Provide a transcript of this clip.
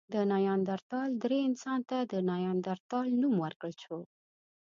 د نیاندرتال درې انسان ته د نایندرتال نوم ورکړل شو.